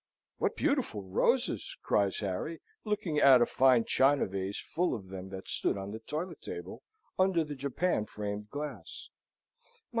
"What beautiful roses!" cries Harry, looking at a fine China vase full of them that stood on the toilet table, under the japan framed glass.